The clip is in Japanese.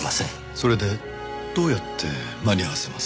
それでどうやって間に合わせます？